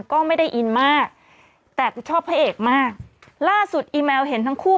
ก็ไม่ได้อินมากแต่ชอบพระเอกมากล่าสุดอีแมวเห็นทั้งคู่